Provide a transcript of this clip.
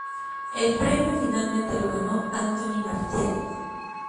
El premio finalmente lo ganó Anthony Martial.